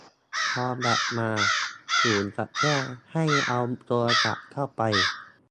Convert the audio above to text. พอแบตมา ศูนย์จะแจ้งให้เอาโทรศัพท์เข้าไป